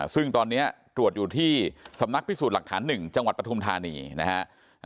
ซึ่งตอนนี้ตรวจอยู่ที่สำนักพิสูจน์หลักฐาน๑จังหวัดปฐุมธานีนะฮะ